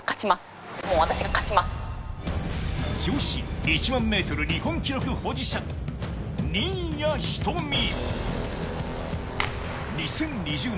女子１００００ｍ日本記録保持者、新谷仁美。